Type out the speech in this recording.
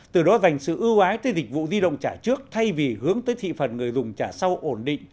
từ đó dành sự ưu ái tới dịch vụ di động trả trước thay vì hướng tới thị phần người dùng trả sau ổn định